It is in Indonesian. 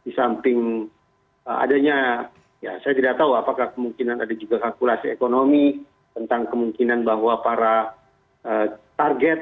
di samping adanya ya saya tidak tahu apakah kemungkinan ada juga kalkulasi ekonomi tentang kemungkinan bahwa para target